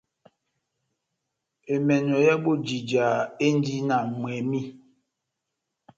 Emènò ya bojija endi na mwɛmi.